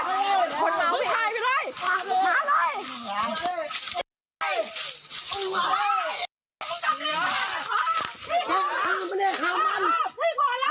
คนเมาคนเมาคนเมาคนเมาคนเมาคนเมาคนเมาคนเมาคนเมาคนเมาคนเมา